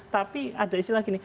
tapi ada istilah gini